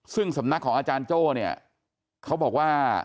ซึ่งสำนักของอาจารย์โจ้เนี่ยเขาบอกว่า